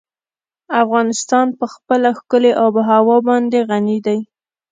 افغانستان په خپله ښکلې آب وهوا باندې غني دی.